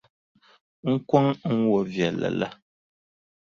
N kɔŋ n wɔʼ viɛlli la.